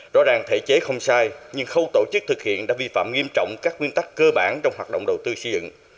rõ ràng thể chế không sai nhưng khâu tổ chức thực hiện đã vi phạm nghiêm trọng các nguyên tắc cơ bản trong hoạt động đầu tư xây dựng